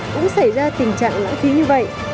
cũng xảy ra tình trạng lãng phí như vậy